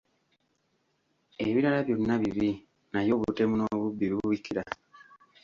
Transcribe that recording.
Ebirala byonna bibi, naye obutemu n'obubbi bubikira.